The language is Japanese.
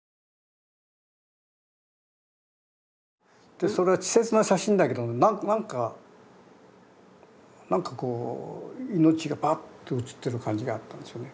でそれは稚拙な写真だけど何か何かこう命がバッと写ってる感じがあったんですよね。